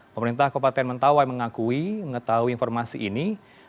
pemerintah kabupaten mentawai mengakui mengetahui informasi ini